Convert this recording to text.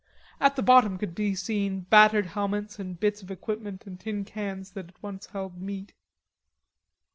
At the bottom could be seen battered helmets and bits of equipment and tin cans that had once held meat.